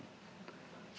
tidak itu tujuh sekian